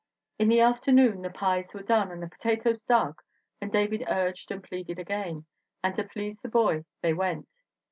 In the afternoon the pies were done and the potatoes dug and David urged and pleaded again. And to please the boy they went.